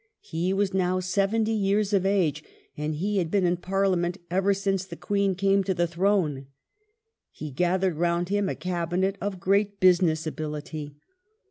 He was now seventy years of age, and he had been in Parliament ever since the Queen came to the throne.^ He gathered round him a Cabinet of great business ability.